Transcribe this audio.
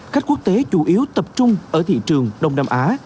khách quốc tế chủ yếu tập trung ở thị trường đông nam á